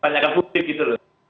panyakan putih gitu